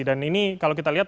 dan ini kalau kita lihat